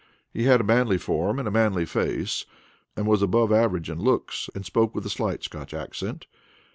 He had a manly form, and a manly face, was above the average in looks, and spoke with a slight Scotch accent.